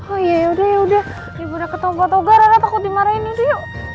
oh ya yaudah yaudah ya udah ketawa ketawa ra ra takut dimarahin yuk yuk